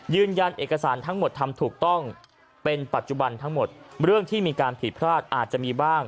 ยืนยันเอกสารทั้งหมดทำถูกต้องเป็นปัจจุบันทั้งหมดเรื่องที่มีการผิดพลาดอาจจะมีบ้าง